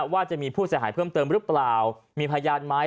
ว่าจะมีผู้เสียหายเพิ่มเติมหรือเปล่ามีพยานไหม